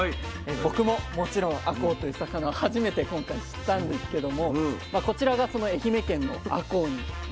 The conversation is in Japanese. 僕ももちろんあこうという魚を初めて今回知ったんですけどもこちらがその愛媛県のあこうになりますね。